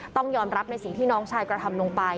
ต้องยอมรับในสิ่งที่น้องชายกระทำลงไป